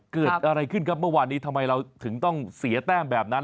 เกิดอะไรขึ้นครับเมื่อวานนี้ทำไมเราถึงต้องเสียแต้มแบบนั้น